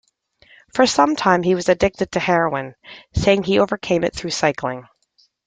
For some time he was addicted to heroin, saying he overcame it through cycling.